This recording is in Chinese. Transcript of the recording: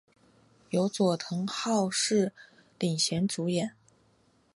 由佐藤浩市领衔主演。